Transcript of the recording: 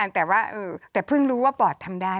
แต่ว่าแต่เพิ่งรู้ว่าปอดทำได้